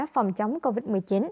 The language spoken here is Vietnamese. phòng chống covid một mươi chín